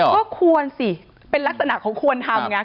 ก็ควรสิเป็นลักษณะของควรทำไง